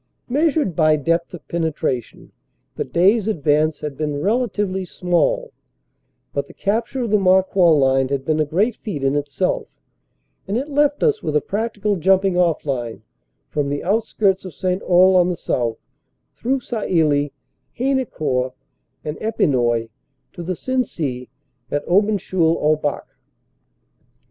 Measured by depth of penetration, the day s advance had been relatively small, but the capture of the Marcoing line had been a great feat in itself, and it left us with a practical jumping off line, from the outskirts of St. Olle on the south, through Sailly, Haynecourt and Epinoy to the Sensee at Aubencheul au Bac.